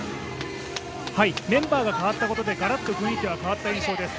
メンバーが代わったことでガラッと雰囲気が変わった印象です。